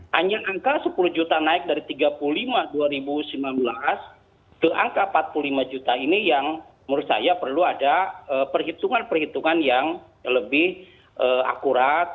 hanya angka sepuluh juta naik dari tiga puluh lima dua ribu sembilan belas ke angka empat puluh lima juta ini yang menurut saya perlu ada perhitungan perhitungan yang lebih akurat